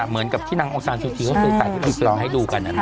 แล้วเหมือนกับที่นางอองศานศูนย์ขึ้นซื้อไปปรับจีบปร่อยมาให้ดูกันนั้น